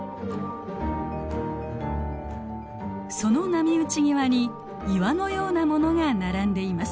その波打ち際に岩のようなものが並んでいます。